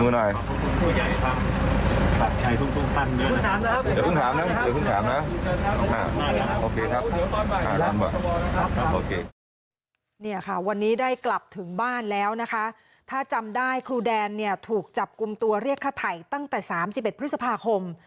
นี่ค่ะวันนี้ได้กลับถึงบ้านแล้วนะคะถ้าจำได้ครูแดนเนี่ยถูกจับกลุ่มตัวเรียกค่าไถ่ตั้งแต่๓๑พฤษภาคม